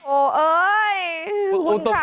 โอ้เฮ้ยคุณค่ะ